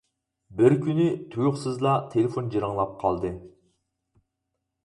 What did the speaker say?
بىر كۈنى تۇيۇقسىزلا تېلېفون جىرىڭلاپ قالدى.